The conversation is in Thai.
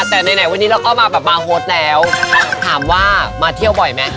แต่ไหนวันนี้เราก็มาแบบมาร์โฮดแล้วถามว่ามาเที่ยวบ่อยไหม